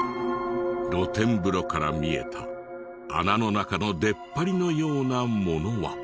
露天風呂から見えた穴の中の出っ張りのようなものは。